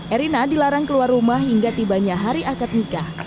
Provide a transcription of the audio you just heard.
erina dilarang keluar rumah hingga tibanya hari akad nikah